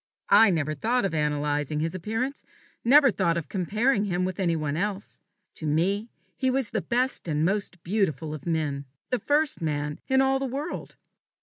I never thought of analyzing his appearance, never thought of comparing him with any one else. To me he was the best and most beautiful of men the first man in all the world.